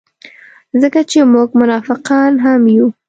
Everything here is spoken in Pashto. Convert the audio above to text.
ځکه چې موږ منافقان هم یو.